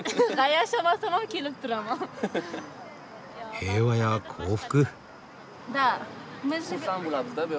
平和や幸福。